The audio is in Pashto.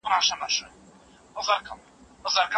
ځیني نور بیا د اوریدلو له لاري پوهیږي.